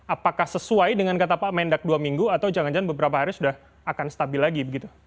apakah sesuai dengan kata pak mendak dua minggu atau jangan jangan beberapa hari sudah akan stabil lagi begitu